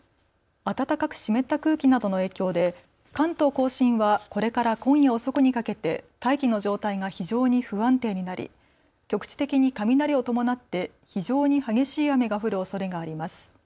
暖かく湿った空気などの影響で関東甲信はこれから今夜遅くにかけて大気の状態が非常に不安定になり局地的に雷を伴って非常に激しい雨が降るおそれがあります。